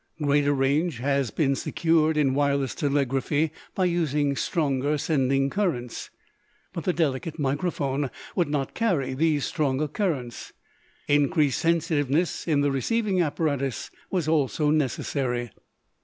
Greater range has been secured in wireless telegraphy by using stronger sending currents. But the delicate microphone would not carry these stronger currents. Increased sensitiveness in the receiving apparatus was also necessary.